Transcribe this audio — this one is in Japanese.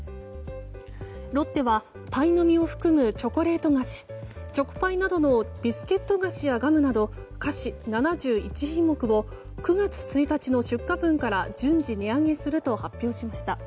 ロッテはパイの実を含むチョコレート菓子チョコパイなどのビスケット菓子やガムなど菓子７１品目を９月１日の出荷分から順次値上げすると発表しました。